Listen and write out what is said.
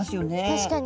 確かに。